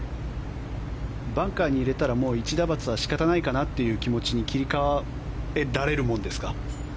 バンカーに入れたら一打罰は仕方ないかなという気持ちに切り替えられるものですか？